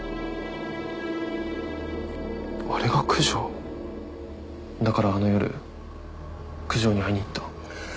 あれが九条だからあの夜九条に会いにいった。